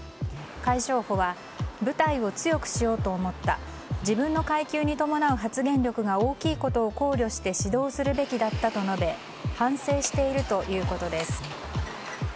海将補は部隊を強くしようと思った自分の階級に伴う発言力が大きいことを考慮して指導するべきだったと述べ反省しているということです。